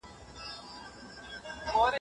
ملالۍ بیرغ اخیستی زولنې یې ماتي کړي